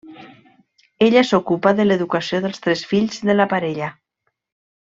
Ella s'ocupa de l'educació dels tres fills de la parella.